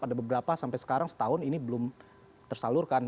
ada beberapa sampai sekarang setahun ini belum tersalurkan